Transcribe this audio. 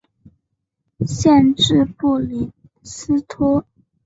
县治布里斯托。